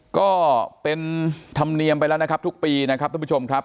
ก็เป็นธรรมเนียมไปแล้วนะครับทุกปีนะครับท่านผู้ชมครับ